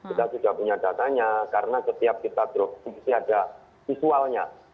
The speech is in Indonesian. kita sudah punya datanya karena setiap kita drop mesti ada visualnya